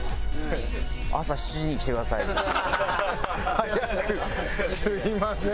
早くにすみません。